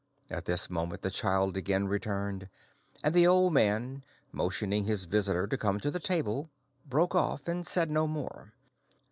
At this moment the child again returned, and the old man, motioning his visitor to come to the table, broke off and said no more.